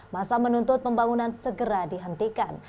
masa menuntut pembangunan segera dihentikan